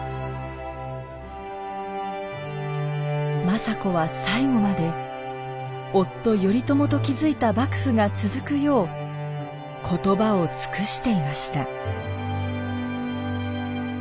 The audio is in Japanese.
政子は最後まで夫・頼朝と築いた幕府が続くよう言葉を尽くしていました。